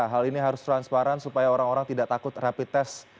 hal ini harus transparan supaya orang orang tidak takut rapid test